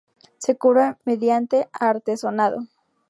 Se cubre mediante artesonado.